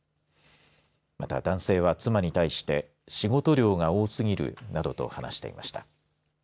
また男性は妻に対して仕事量が多すぎるなどと話していました。